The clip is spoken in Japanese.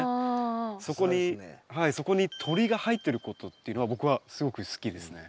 そこに「鳥」が入ってることっていうのは僕はすごく好きですね。